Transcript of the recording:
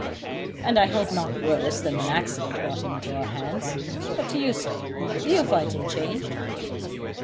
"And I hope not worse than when accident brought him into our hands. What do you say? Do you find him changed?"